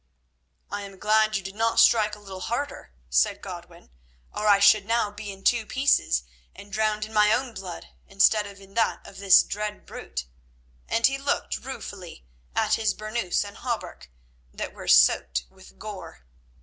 "I am glad you did not strike a little harder," said Godwin, "or I should now be in two pieces and drowned in my own blood, instead of in that of this dead brute," and he looked ruefully at his burnous and hauberk, that were soaked with gore.